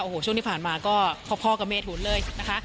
โอ้โหช่วงที่ผ่านมาก็พอกับเมทุนเลยนะคะ